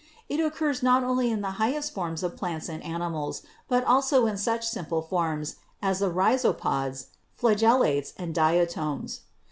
It occurs not only in the highest forms of plants and animals, but also in such simple forms as the rhizopods, flagellates and diatoms.